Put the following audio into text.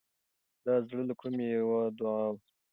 دا د زړه له کومې یوه دعا وه.